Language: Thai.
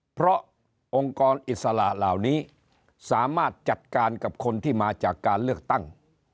เพราะองค์กรอิสระเหล่านี้สามารถจัดการกับคนที่มาจากการเลือกตั้ง